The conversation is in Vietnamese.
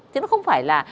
thế nó không phải là